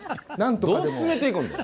どう進めていくんだよ。